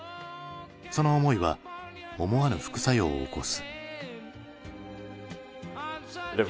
その思いは思わぬ副作用を起こす。